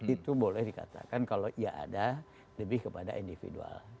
itu boleh dikatakan kalau ya ada lebih kepada individual